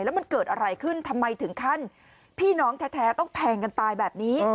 แล้วมันเกิดอะไรขึ้นทำไมถึงขั้นพี่น้องแท้ต้องแทงกันตายแบบนี้